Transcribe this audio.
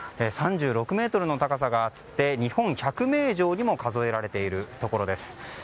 ３６ｍの高さがあって日本百名城にも数えられているところです。